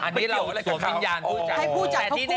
อ่อนนี้เราสวบสินยามผู้จัด